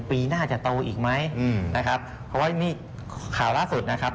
ปีหน้าจะโตอีกไหมอืมนะครับเพราะว่านี่ข่าวล่าสุดนะครับ